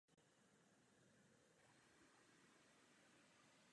Je všeobecně známo, že Heidelberger Druckmaschinen je klenotem německého strojírenství.